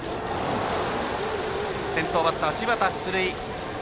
先頭バッター柴田、出塁。